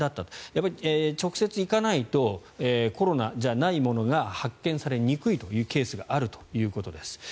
やっぱり直接行かないとコロナじゃないものが発見されにくいというケースがあるということです。